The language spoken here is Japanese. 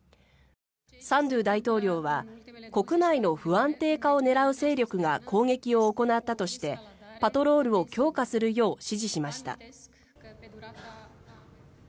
サンドゥ大統領は国内の不安定化を狙う勢力が攻撃を行ったとしてパトロールを強化するよう指示しました。